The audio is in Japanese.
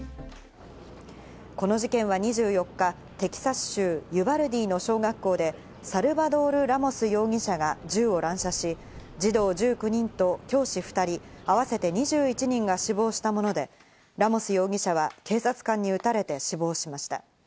この事件は２４日、テキサス州ユバルディの小学校でサルバドール・ラモス容疑者が銃を乱射し、児童１９人と教師２人、合わせて２１人が死亡したもので、ラモス容疑者は警察官に撃たれて死亡しました。